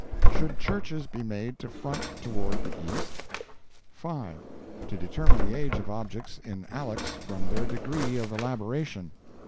Should churches be made to front toward the east? "5. To determine the age of objects in allex from their degree of elaboration."